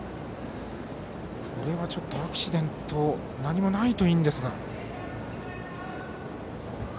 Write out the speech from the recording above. これはアクシデント何もないといいですが。